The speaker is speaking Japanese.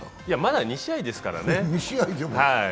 まだ２試合ですからね。